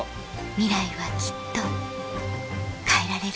ミライはきっと変えられる